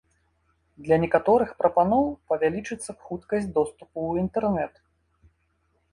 Для некаторых прапаноў павялічыцца хуткасць доступу ў інтэрнэт.